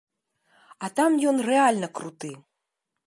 А там ён рэальна круты!